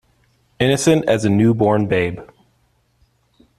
Innocent as a new born babe.